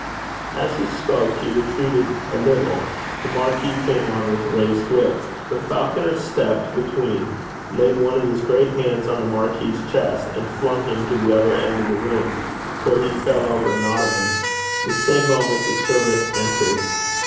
As he spoke, he retreated a little. The marquis came on with raised whip. But Falconer stepped between, laid one of his great hands on the marquis's chest, and flung him to the other end of the room, where he fell over an ottoman. The same moment the servant entered.